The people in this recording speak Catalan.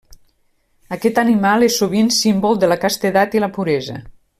Aquest animal és sovint símbol de la castedat i la puresa.